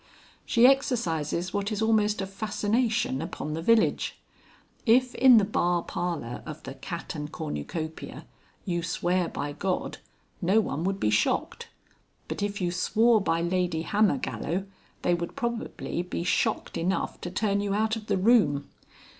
She exercises what is almost a fascination upon the village. If in the bar parlour of the Cat and Cornucopia you swear by God no one would be shocked, but if you swore by Lady Hammergallow they would probably be shocked enough to turn you out of the room.